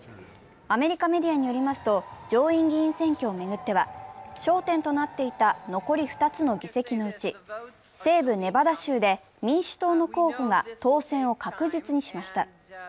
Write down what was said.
アメリカメディアによりますと、上院議員選挙を巡っては焦点となっていた残り２つの議席のうち、西部ネバダ州で、民主党の候補が当選を確実にしました。